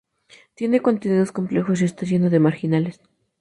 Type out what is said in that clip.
Tiene contenidos complejos y está lleno de marginales.